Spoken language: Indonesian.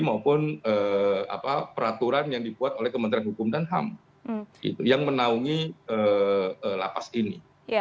maupun peraturan yang dibuat oleh kementerian hukum dan ham yang menaungi lapas ini